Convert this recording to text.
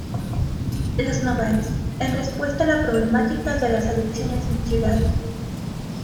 Los Nogales, en respuesta a la problemática de las adicciones en Cd.